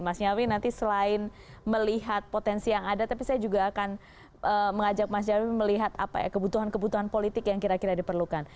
mas nyarwi nanti selain melihat potensi yang ada tapi saya juga akan mengajak mas nyarwi melihat apa ya kebutuhan kebutuhan politik yang kira kira diperlukan